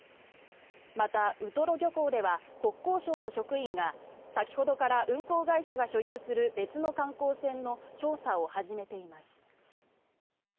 また、ウトロ漁港では国交省の職員が先ほどから運航会社が所有する別の観光船の調査を始めています。